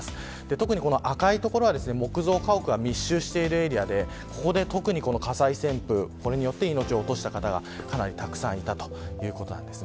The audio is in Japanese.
特に赤い所は木造家屋が密集しているエリアでここで特に火災旋風によって命を落とした方がかなりたくさんいたということです。